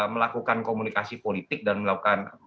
melakukan komunikasi politik dan melakukan